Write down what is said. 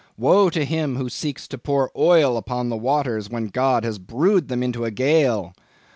Woe to him who seeks to pour oil upon the waters when God has brewed them into a gale!